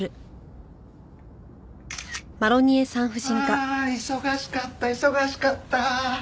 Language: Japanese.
ああ忙しかった忙しかった！